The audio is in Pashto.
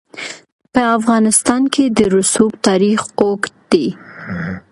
په افغانستان کې د رسوب تاریخ اوږد دی.